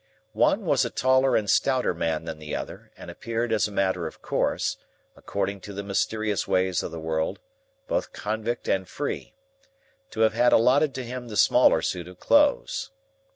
One was a taller and stouter man than the other, and appeared as a matter of course, according to the mysterious ways of the world, both convict and free, to have had allotted to him the smaller suit of clothes.